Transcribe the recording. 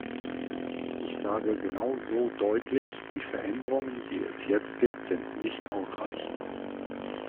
Ich sage genau so deutlich, die Veränderungen, die es jetzt gibt, sind nicht ausreichend.